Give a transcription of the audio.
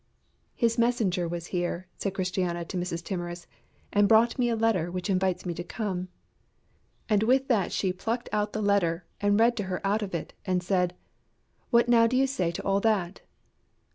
"His messenger was here," said Christiana to Mrs. Timorous, "and has brought me a letter which invites me to come." And with that she plucked out the letter and read to her out of it, and said: "What now do you say to all that?"